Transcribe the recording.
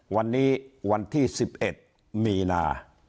วันนี้วันที่๑๑มีนา